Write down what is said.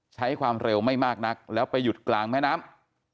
ใช้ความเร็วไม่มากนักแล้วไปหยุดกลางแม่น้ำ